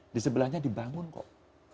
di sebelahnya dibangun kok